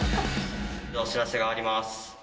お知らせがあります。